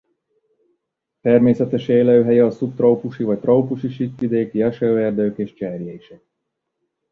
A természetes élőhelye a szubtrópusi vagy trópusi síkvidéki esőerdők és cserjések.